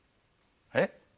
えっ？